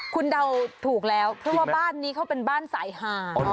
คุณเดาถูกแล้วเพราะว่าบ้านนี้เขาเป็นบ้านสายหา